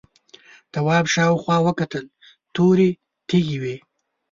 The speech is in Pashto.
تواب شاوخوا وکتل تورې تیږې وې.